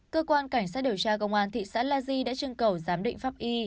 cơ quan cảnh sát điều tra công an thị xã la di đã trưng cầu giám định pháp y